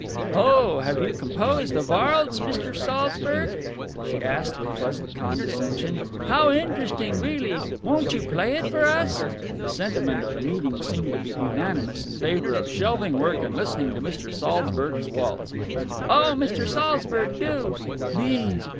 "Oh, have you composed a varlse, Mr. Saltzburg?" she asked with pleasant condescension. "How interesting, really! Won't you play it for us?" The sentiment of the meeting seemed to be unanimous in favour of shelving work and listening to Mr. Saltzburg's waltz. "Oh, Mr. Saltzburg, do!" "Please!"